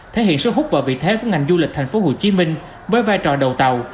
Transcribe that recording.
thể hiện số hút vợ vị thế của ngành du lịch tp hcm với vai trò đầu tàu